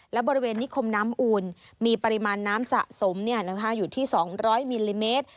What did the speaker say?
และบริเวณนิคมน้ำอูลมีปริมาณน้ำสะสมอยู่ที่๒๐๐มิลลิเมตร